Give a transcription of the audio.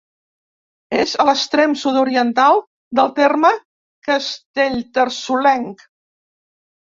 És a l'extrem sud-oriental del terme castellterçolenc.